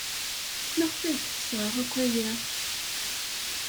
Maɣef ay d-tesɣa akk aya?